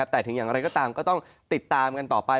แต่ถึงอย่างไรก็ตามก็ต้องติดตามกันต่อไป